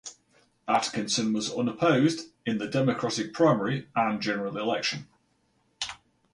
Atkinson was unopposed in the Democratic primary and general election.